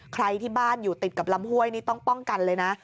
ใครที่บ้านอยู่ติดกับลำห้วยนี่ต้องป้องกันเลยนะ